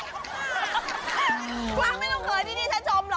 กว้างไม่ต้องเคยที่นี่ฉันชมหรอก